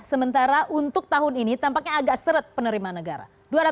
sementara untuk tahun ini tampaknya agak seret penerimaan negara